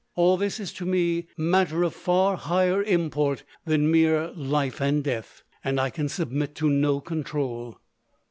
All this is to me matter of far higher import than mere life and death, and I can submit to no controul."